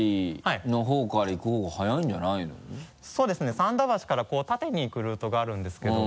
参田橋から縦に行くルートがあるんですけども。